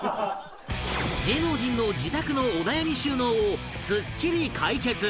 芸能人の自宅のお悩み収納をすっきり解決